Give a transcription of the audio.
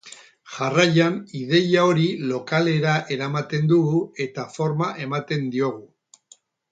Jarraian, ideia hori lokalera eramaten dugu, eta forma ematen diogu.